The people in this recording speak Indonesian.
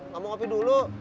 kamu ngopi dulu